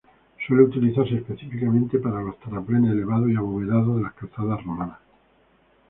Suele utilizarse específicamente para los terraplenes elevados y abovedados de las calzadas romanas.